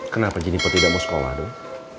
kenapa jenipan gak mau sekolah doi